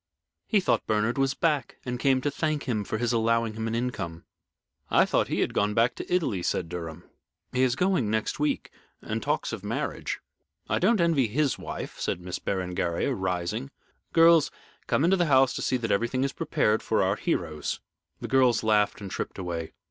He thought Bernard was back, and came to thank him for his allowing him an income." "I thought he had gone back to Italy," said Durham. "He is going next week, and talks of marriage." "I don't envy his wife," said Miss Berengaria, rising. "Girls, come into the house to see that everything is prepared for our heroes." The girls laughed and tripped away.